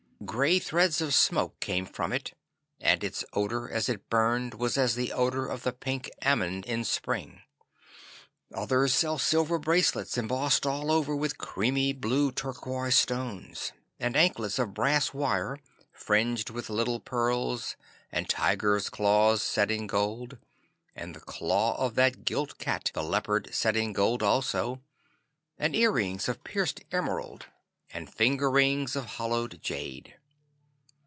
Grey threads of smoke came from it, and its odour as it burned was as the odour of the pink almond in spring. Others sell silver bracelets embossed all over with creamy blue turquoise stones, and anklets of brass wire fringed with little pearls, and tigers' claws set in gold, and the claws of that gilt cat, the leopard, set in gold also, and earrings of pierced emerald, and finger rings of hollowed jade.